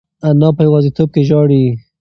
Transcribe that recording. انا په یوازیتوب کې ژاړي.